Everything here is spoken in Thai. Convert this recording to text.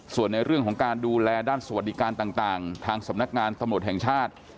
ส่วนในเรื่องของการดูแลด้านสวัสดิการต่างทางสำนักงานตำรวจแห่งชาติ